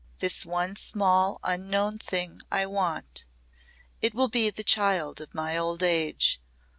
"This one small unknown thing I want. It will be the child of my old age.